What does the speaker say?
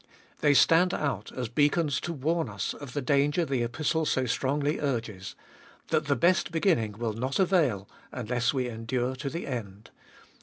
They stand out as beacons to warn us of the danger the Epistle so strongly urges — that the best beginning will not avail unless we endure to the end (iii.